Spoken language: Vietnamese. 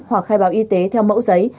hoặc khai báo y tế theo mẫu giấy